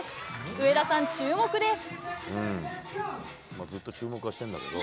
上田さん、注目です。